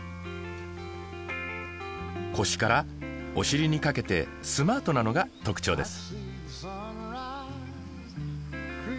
腰からお尻にかけてスマートなのが特徴です。